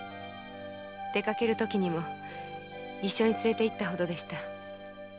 でかけるときにも一緒に連れて行ったほどでした。